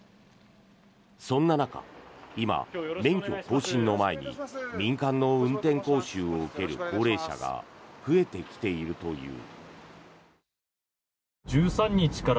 そんな中、今、免許更新の前に民間の運転講習を受ける高齢者が増えてきているという。